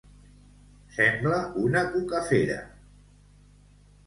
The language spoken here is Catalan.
Sembla una cucafera.